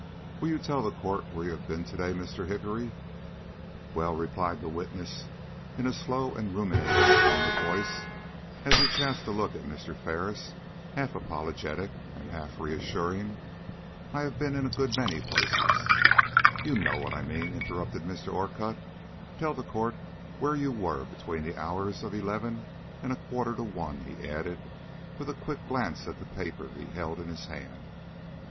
"Will you tell the court where you have been to day, Mr. Hickory?" "Well," replied the witness in a slow and ruminating tone of voice, as he cast a look at Mr. Ferris, half apologetic and half reassuring, "I have been in a good many places " "You know what I mean," interrupted Mr. Orcutt. "Tell the court where you were between the hours of eleven and a quarter to one," he added, with a quick glance at the paper he held in his hand.